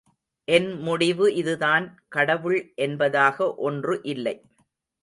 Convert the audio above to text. என் முடிவு இதுதான் கடவுள் என்பதாக ஒன்று இல்லை.